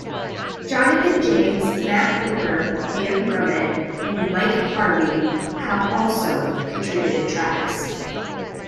Jonathan James, Matt Hooper, Dan Brummitt and Mike Harvie have also contributed tracks.